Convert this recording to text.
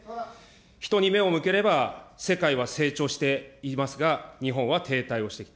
人に目を向ければ、世界は成長していますが、日本は停滞をしてきた。